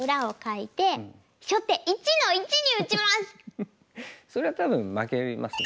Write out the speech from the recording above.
フフフフそれは多分負けますね。